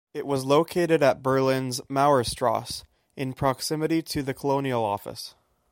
It was located at Berlin's Mauerstrasse, in proximity to the Colonial Office.